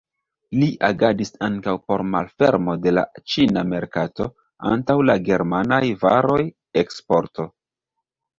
Li agadis ankaŭ por malfermo de la ĉina merkato antaŭ la germanaj varoj, eksporto.